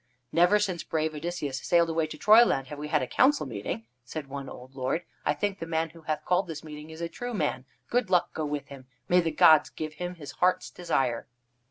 "Never since brave Odysseus sailed away to Troyland have we had a council meeting," said one old lord. "I think the man who hath called this meeting is a true man good luck go with him! May the gods give him his heart's desire."